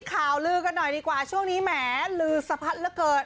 ข่าวลือกันหน่อยดีกว่าช่วงนี้แหมลือสะพัดเหลือเกิน